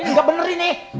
ini gak bener ini